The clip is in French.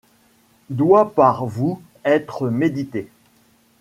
Doit par vous être médité.